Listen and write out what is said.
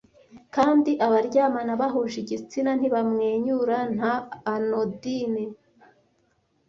Kandi abaryamana bahuje igitsina ntibamwenyura nta anodyne.